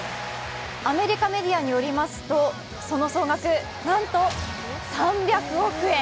アメリカメディアによりますとその総額、なんと３００億円！